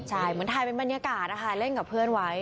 ใช่เหมือนถ่ายเป็นบรรยากาศนะคะเล่นกับเพื่อนไว้